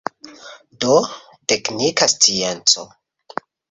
Do, teknika scienco.